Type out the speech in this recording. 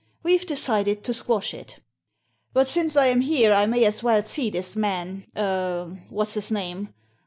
We've decided to squash it But since I am here I may as well see this man— ^h — what's his name?